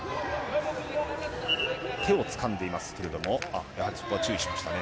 手をつかんでいますけれどもそこは注意しましたね。